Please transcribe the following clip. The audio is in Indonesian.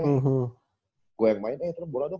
eh gua yang main eh itu bola dok